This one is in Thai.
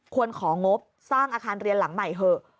ของงบสร้างอาคารเรียนหลังใหม่เถอะ